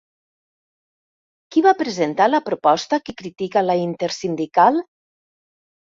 Qui va presentar la proposta que critica la Intersindical?